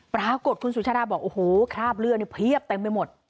ปรากฏคุณสุชาดาบอกโอ้โหคราบเลือดเนี่ยเพียบเต็มไปหมด